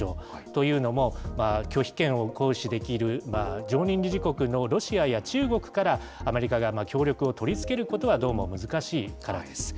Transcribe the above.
というのも、拒否権を行使できる常任理事国のロシアや中国から、アメリカが協力を取り付けることは、どうも難しいからです。